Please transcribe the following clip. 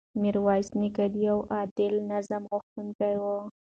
میرویس نیکه د یو عادل نظام غوښتونکی و.